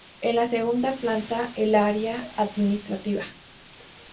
En la segunda planta el Área Administrativa.